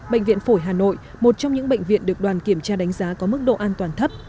bệnh viện phổi hà nội một trong những bệnh viện được đoàn kiểm tra đánh giá có mức độ an toàn thấp